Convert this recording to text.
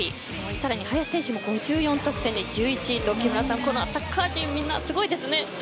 さらに林選手も５４得点で１１位と木村さん、アタッカー陣そうですね。